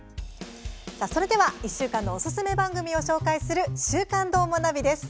それでは１週間のおすすめ番組を紹介する「週刊どーもナビ」です。